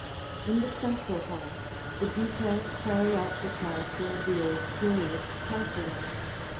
In the central hall, the details carry out the character of the old period carefully.